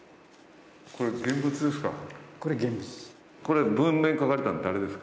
これ現物です。